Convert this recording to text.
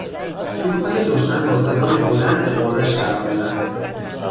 توپهای دشمن با صدای بلند به غرش درآمدند.